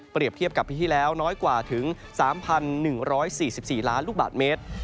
เทียบกับปีที่แล้วน้อยกว่าถึง๓๑๔๔ล้านลูกบาทเมตร